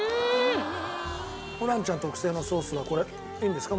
ホランちゃん特製のソースはこれいいんですか？